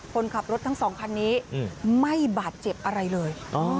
คนขับรถทั้งสองคันนี้ไม่บาดเจ็บอะไรเลย